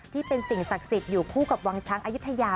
สิ่งศักดิ์สิทธิ์อยู่คู่กับวังช้างอายุทยา